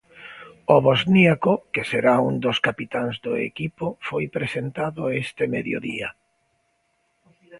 O bosníaco, que será un dos capitáns do equipo, foi presentado este mediodía.